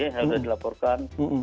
yang sudah dilaporkan